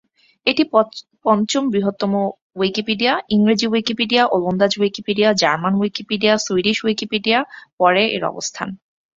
এটি পঞ্চম বৃহত্তম উইকিপিডিয়া- ইংরেজি উইকিপিডিয়া, ওলন্দাজ Wikipedia, German Wikipedia, Swedish Wikipedia পরে এর অবস্থান।